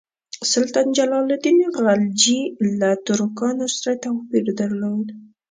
سلطان جلال الدین خلجي له ترکانو سره توپیر درلود.